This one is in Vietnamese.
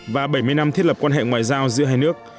và bảy mươi năm thiết lập quan hệ ngoại giao giữa hai nước